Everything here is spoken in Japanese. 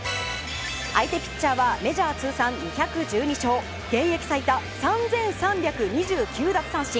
相手ピッチャーはメジャー通算２１２勝現役最多３３２９奪三振。